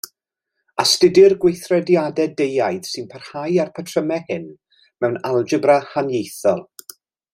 Astudir gweithrediadau deuaidd sy'n parhau â'r patrymau hyn mewn algebra haniaethol.